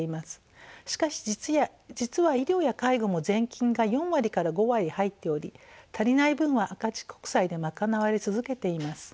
しかし実は医療や介護も税金が４割から５割入っており足りない分は赤字国債で賄われ続けています。